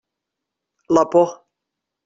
La por.